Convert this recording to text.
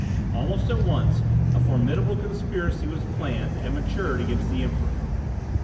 Almost at once a formidable conspiracy was planned and matured against the Emperor.